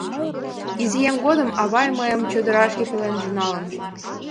Изиэм годым авай мыйым чодырашке пеленже налын.